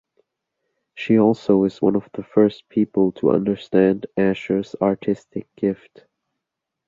She also is one of the first people to understand Asher's artistic gift.